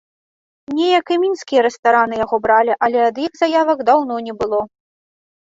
Неяк і мінскія рэстараны яго бралі, але ад іх заявак даўно не было.